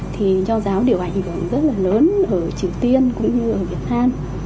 thì nho giáo đều ảnh hưởng rất là lớn ở triều tiên cũng như ở việt nam